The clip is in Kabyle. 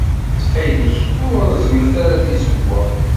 Ttxil-k, ur reẓẓmet ara tizewwa.